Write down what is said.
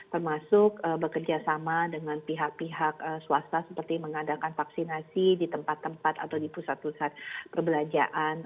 termasuk bekerjasama dengan pihak pihak swasta seperti mengadakan vaksinasi di tempat tempat atau di pusat pusat perbelanjaan